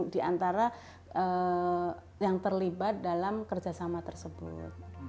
di antara yang terlibat dalam kerjasama tersebut